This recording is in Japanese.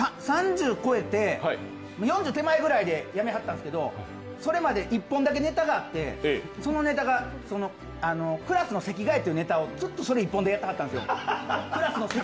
３０越えて、４０手前くらいで、やめはったんですけど、それまで一本だけネタがあってそのネタが、クラスの席替えというネタをずっとそれ１本でやってたんですよ